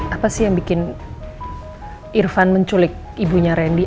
apa sih yang bikin irfan menculik ibunya randy